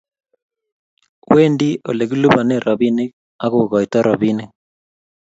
Wendi olegilupane robinik ago goito robinik